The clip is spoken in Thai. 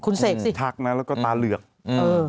คุณเสกสิทักนะแล้วก็ตาเหลือกเออ